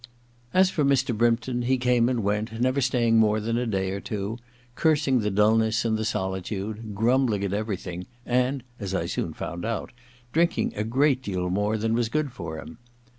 As for Mr. Brympton, he came and went, never staying more than a day or two, cursing the dulness and the solitude, grumbling at everything, and (as I soon found out) drinking a deal more than was good for him.